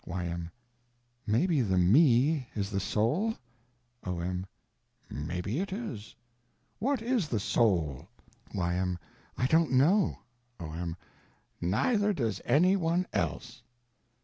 Y.M. Maybe the Me is the Soul? O.M. Maybe it is. What is the Soul? Y.M. I don't know. O.M. Neither does any one else.